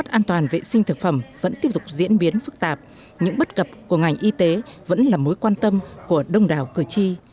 an toàn vệ sinh thực phẩm vẫn tiếp tục diễn biến phức tạp những bất cập của ngành y tế vẫn là mối quan tâm của đông đảo cử tri